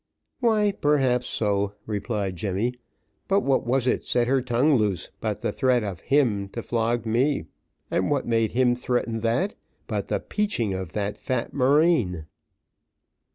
"Why, perhaps so," replied Jemmy; "but what was it set her tongue loose but the threat of him to flog me, and what made him threaten that but the 'peaching of that fat marine?"